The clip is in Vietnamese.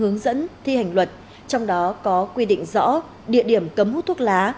hướng dẫn thi hành luật trong đó có quy định rõ địa điểm cấm hút thuốc lá